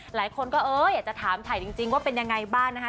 หลายคนก็เอออยากจะถามถ่ายจริงว่าเป็นยังไงบ้างนะคะ